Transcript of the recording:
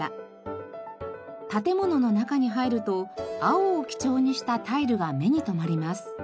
建物の中に入ると青を基調にしたタイルが目に留まります。